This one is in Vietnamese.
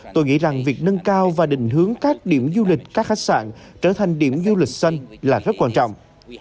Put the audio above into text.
tôi nghĩ rằng việc nâng cao và định hướng các điểm du lịch các khách sạn trở thành điểm du lịch xanh là rất quan trọng